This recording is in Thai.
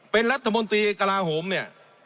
เป็นรัฐมนตรีกระลาโหมเนี่ย